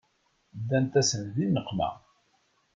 Ddant-asen di nneqma.